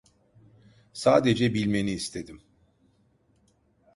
Sadece bilmeni istedim.